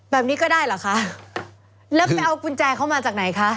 แบบนี้ก็ได้เหรอคะแล้วไปเอากุญแจเขามาจากไหนคะ